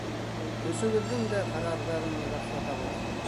Өҫөгөҙҙөң дә ҡарарҙарын раҫлатабыҙ!